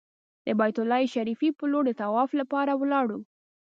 د بیت الله شریفې پر لور د طواف لپاره ولاړو.